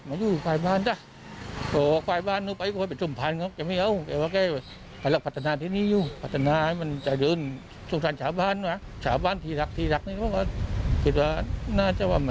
น่าจะว่ามาช่วยกันมาบอกว่าใช่หรือเปล่า